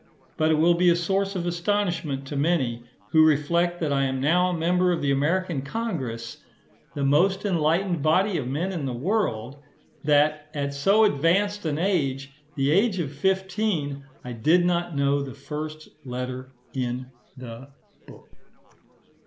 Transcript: But it will be a source of astonishment to many, who reflect that I am now a member of the American Congress, the most enlightened body of men in the world, that at so advanced an age, the age of fifteen, I did not know the first letter in the book.